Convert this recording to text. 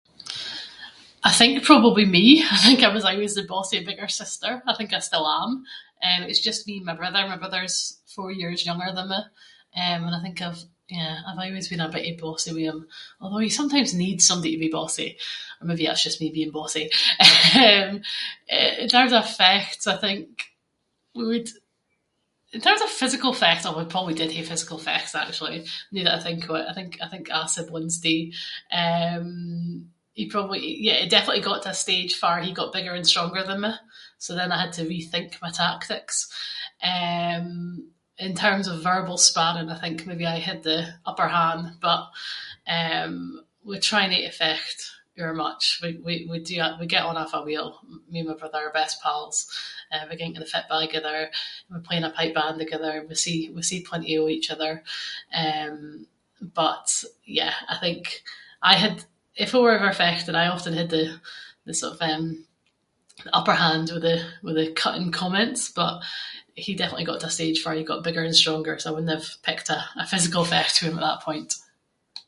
I think probably me. I think I was aieways the bossy bigger sister. I think I still am. Eh, it’s just me and my brother, my brother’s four years younger than me. Eh and I think I’ve- yeah I’ve aieways been a bittie bossy with him. Although he sometimes needs somebody to be bossy, or maybe that’s just me being bossy Eh in terms of fechts, I think we would- in terms of physical fechts, aw we probably- we probably did have physical fechts noo that I think of it. I think- I think a’ siblings do. Eh he probably- yeah, he definitely got to a stage farr he got bigger and stronger than me, so then I had to rethink my tactics. Eh in terms of verbal sparring I think maybe I had the upper hand, but eh we try no to fecht ower much. We do actua- we get on awfu’ well, me and my brother, we’re best pals. Eh we ging to the fitba’ the-gither, we play in a pipe band the-gither, we see- we see plenty of each other. Eh, but yeah, I think I had- if we were in a fecht I would’ve often had the- the sort of upper hand with the- with the cutting comments, but he definetly got to a stage farr he got bigger and stronger so I wouldnae have picked a- a physical fecht with him at that point.